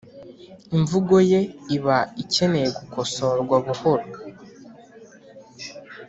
imvugo ye iba ikeneye gukosorwa buhoro